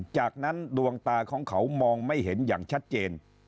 จากนั้นดวงตาของเขามองไม่เห็นอย่างชัดเจน